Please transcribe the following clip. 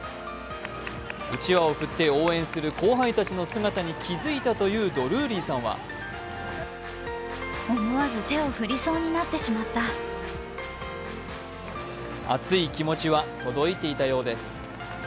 うちわを振って応援する後輩たちの姿に気付いたというドルーリーさんは熱い気持ちは届いていたようです。